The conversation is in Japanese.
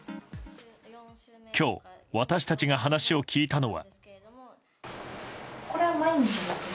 今日、私たちが話を聞いたのは。